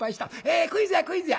「えクイズやクイズや！」。